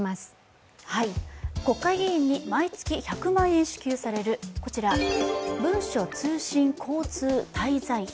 国会議員に毎月１００万円支給される文書通信交通滞在費。